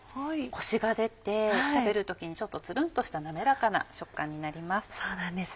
コシが出て食べる時につるんとした滑らかな食感になります。